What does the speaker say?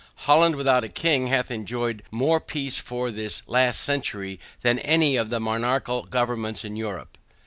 Holland without a king hath enjoyed more peace for this last century than any of the monarchical governments in Europe.